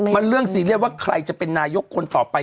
มันเรื่องซีเรียสว่าใครจะเป็นนายกคนต่อไป